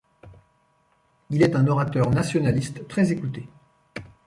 Il est un orateur nationaliste très écouté.